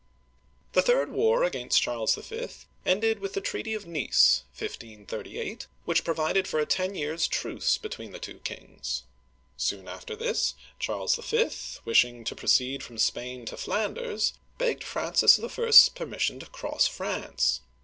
The third war against Charles V. ended with the treaty of Nice (nees, 1538), which provided for a ten years* truce between the two kings. Soon after this, Charles V., wish ing to proceed from Spain to Flanders, begged Francis I.'s permission to cross France.